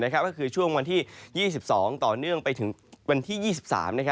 ก็คือช่วงวันที่๒๒ต่อเนื่องไปถึงวันที่๒๓